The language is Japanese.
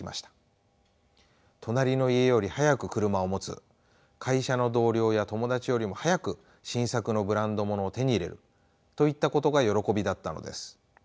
隣の家より早く車を持つ会社の同僚や友達よりも早く新作のブランドものを手に入れるといったことが喜びだったのです。